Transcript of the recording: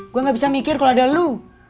gue gak bisa mikir kalau ada lu